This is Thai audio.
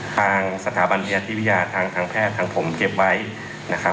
ทางสถาบันพยาธิวิทยาทางแพทย์ทางผมเก็บไว้นะครับ